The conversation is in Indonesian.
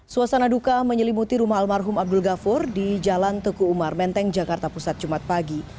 suasana duka menyelimuti rumah almarhum abdul ghafur di jalan teguh umar menteng jakarta pusat jumat pagi